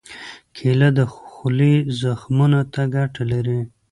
کېله د خولې زخمونو ته ګټه لري.